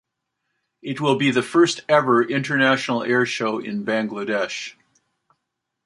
It will be the first ever international air show in Bangladesh.